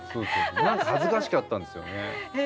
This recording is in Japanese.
何か恥ずかしかったんですよね。